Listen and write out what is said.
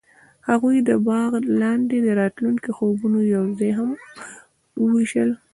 هغوی د باغ لاندې د راتلونکي خوبونه یوځای هم وویشل.